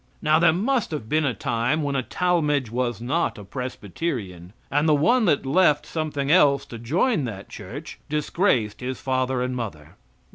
Now there must have been a time when a Talmage was not a Presbyterian, and the one that left something else to join that church disgraced his father and mother.